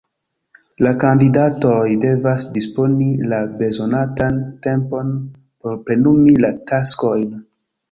La kandidatoj devas disponi la bezonatan tempon por plenumi la taskojn.